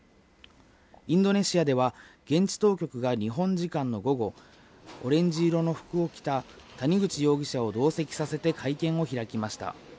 インドネシアでは、現地当局が日本時間の午後、オレンジ色の服を着た谷口容疑者を同席させて会見を開きました。